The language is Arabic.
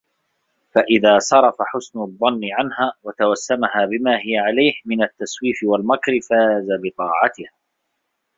فَإِذَا صَرَفَ حُسْنَ الظَّنِّ عَنْهَا وَتَوَسَّمَهَا بِمَا هِيَ عَلَيْهِ مِنْ التَّسْوِيفِ وَالْمَكْرِ فَازَ بِطَاعَتِهَا